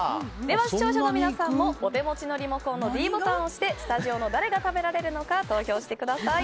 視聴者の皆さんもお手持ちのリモコンのｄボタンを押してスタジオの誰が食べられるのか投票してください。